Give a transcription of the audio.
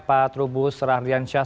pak trubus rahliansyah